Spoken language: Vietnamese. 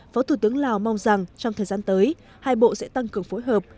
phó thủ tướng lào mong rằng trong thời gian tới hai bộ sẽ tăng cường phối hợp